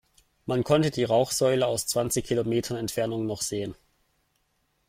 Man konnte die Rauchsäule aus zwanzig Kilometern Entfernung noch sehen.